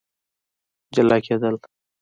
جلا کېدل